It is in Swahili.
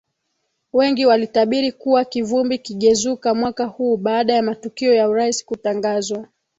wengi walitabiri kuwa kivumbi kigezuka mwaka huu baada ya matukio ya urais kutangazwa